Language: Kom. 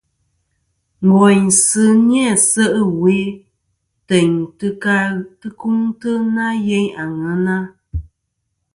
Ngòynsɨ ni-æ se' ɨwe tèyn tɨ ka tɨkuŋtɨ na yeyn àŋena.